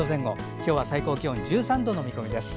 今日は最高気温１３度の予想です。